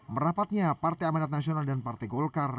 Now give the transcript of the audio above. merapatnya partai amanat nasional dan partai golkar